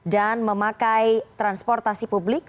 dan memakai transportasi publik